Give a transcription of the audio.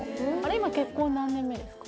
今結婚何年目ですか？